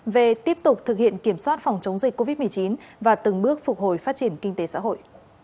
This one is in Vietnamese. về tiếp tục thực hiện kiểm soát phòng chống dịch covid một mươi chín và từng bước phục hồi phát triển kinh tế xã hội